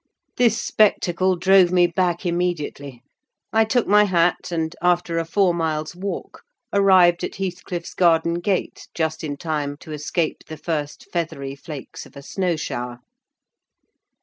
This spectacle drove me back immediately; I took my hat, and, after a four miles' walk, arrived at Heathcliff's garden gate just in time to escape the first feathery flakes of a snow shower.